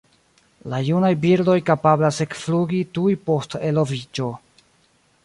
La junaj birdoj kapablas ekflugi tuj post eloviĝo.